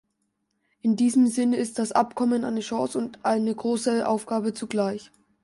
In diesem Sinne ist das Abkommen eine Chance und eine große Aufgabe zugleich.